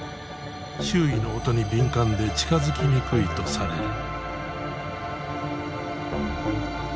周囲の音に敏感で近づきにくいとされる。